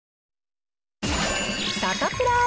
サタプラ。